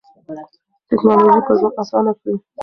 ټیکنالوژي به ژوند اسانه کړي.